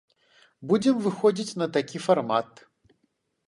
Будзем выходзіць на такі фармат.